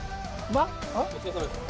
お疲れさまです。